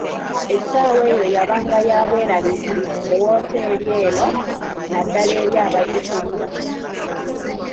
Essaawa eyo yabanga ya bwelarikirivu mu wooteri eno, naddala eri abagikulira.